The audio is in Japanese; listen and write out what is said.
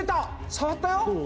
触ったよ！」